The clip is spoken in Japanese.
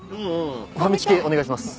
ファミチキお願いします。